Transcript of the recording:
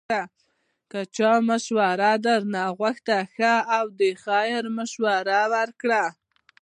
که چا مشوره درنه غوښته، ښه او د خیر مشوره ورکوئ